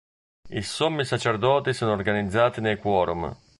I Sommi sacerdoti sono organizzati nei "Quorum".